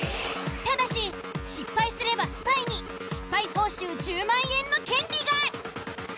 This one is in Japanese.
ただし失敗すればスパイに失敗報酬１０万円の権利が！